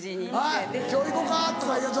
「今日行こか」とかいうやつ。